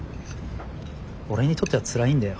俺にとってはつらいんだよ。